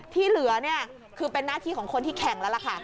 ที่เหลือเนี่ยคือเป็นหน้าที่ของคนที่แข่งแล้วล่ะค่ะ